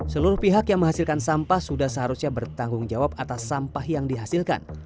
seluruh pihak yang menghasilkan sampah sudah seharusnya bertanggung jawab atas sampah yang dihasilkan